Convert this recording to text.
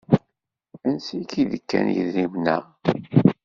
Ansi k-d-kkan yidrimen-a?